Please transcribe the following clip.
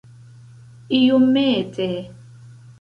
iomete